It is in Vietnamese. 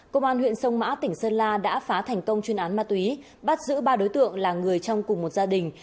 công an huyện sông mã tỉnh sơn la đã phá thành công chuyên án ma túy bắt giữ ba đối tượng là người trong cùng một gia đình